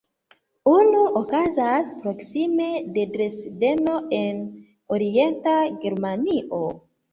Unu okazas proksime de Dresdeno en orienta Germanio.